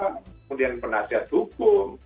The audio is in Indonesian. kemudian penasihat hukum